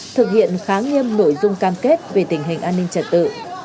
thực hiện khá nghiêm nội dung cam kết về tình hình an ninh trật tự